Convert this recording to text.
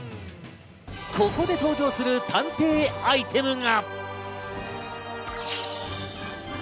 ここで登場する探偵アイテムが。